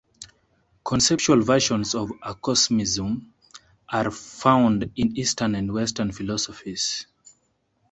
Conceptual versions of Acosmism are found in eastern and western philosophies.